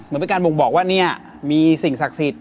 เหมือนเป็นการบ่งบอกว่าเนี่ยมีสิ่งศักดิ์สิทธิ